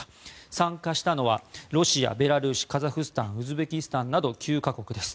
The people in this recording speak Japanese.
参加したのはロシア、ベラルーシカザフスタンウズベキスタンなど９か国です。